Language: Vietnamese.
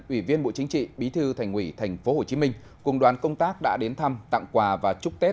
ủy viên bộ chính trị bí thư thành ủy tp hcm cùng đoàn công tác đã đến thăm tặng quà và chúc tết